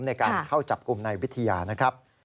ในการเข้าจับกลุ่มนายวิทยานะครับ